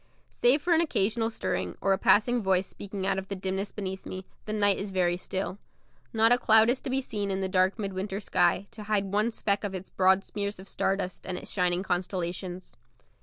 Save for an occasional stirring, or a passing voice speaking out of the dimness beneath me, the night is very still. Not a cloud is to be seen in the dark midwinter sky to hide one speck of its broad smears of star dust and its shining constellations.